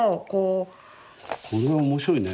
これは面白いね。